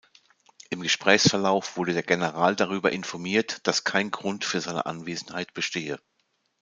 Im Gesprächsverlauf wurde der General darüber informiert, dass kein Grund für seine Anwesenheit bestehe.